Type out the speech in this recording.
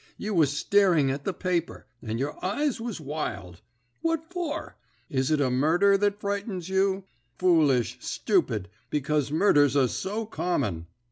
You was staring at the paper, and your eyes was wild. What for? Is it a murder that frightens you? Foolish, stupid, because murders are so common.